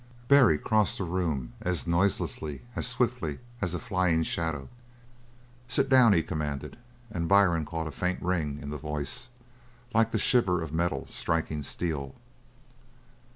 Barry crossed the room as noiselessly, as swiftly, as a flying shadow. "Sit down!" he commanded, and Byrne caught a faint ring in the voice, like the shiver of metal striking steel.